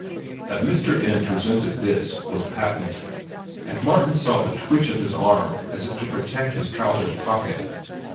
That Mr. Ends resented this, was patent; and Martin saw the twitch of his arm as if to protect his trousers pocket.